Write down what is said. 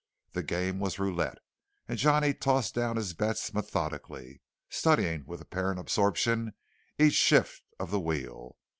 The game was roulette, and Johnny tossed down his bets methodically, studying with apparent absorption each shift of the wheel.